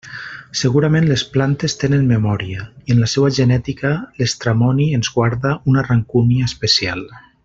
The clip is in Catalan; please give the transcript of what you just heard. Segurament les plantes tenen memòria, i en la seua genètica l'estramoni ens guarda una rancúnia especial.